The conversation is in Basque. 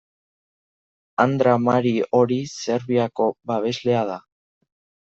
Andra Mari hori Serbiako babeslea da.